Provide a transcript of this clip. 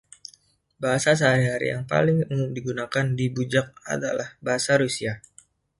Bahasa sehari-hari yang paling umum digunakan di Budjak adalah bahasa Rusia.